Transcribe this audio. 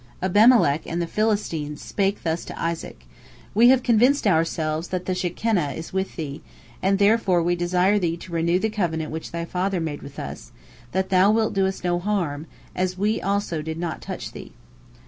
Abimelech and the Philistines spake thus to Isaac: "We have convinced ourselves that the Shekinah is with thee, and therefore we desire thee to renew the covenant which thy father made with us, that thou wilt do us no hurt, as we also did not touch thee."